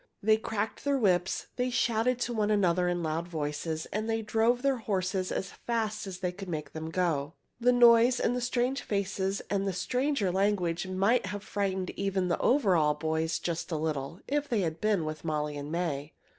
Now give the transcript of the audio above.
They cracked their whips, they shouted to one another in loud voices, and they drove their horses as fast as they could make them go. The noise and the strange faces and the stranger language might have frightened even the Overall Boys just a little, if they had been with Molly and May.